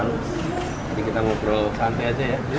nanti kita ngobrol santai aja ya